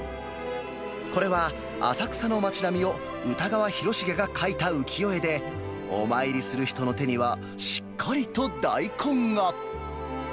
これは浅草の街並みを歌川広重が描いた浮世絵で、お参りする人の手にはしっかりと大根が。